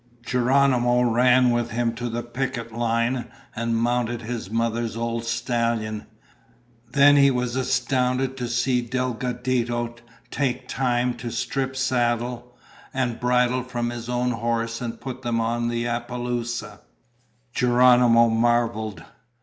Geronimo ran with him to the picket line and mounted his mother's old stallion, then he was astounded to see Delgadito take time to strip saddle and bridle from his own horse and put them on the apaloosa. Geronimo marveled.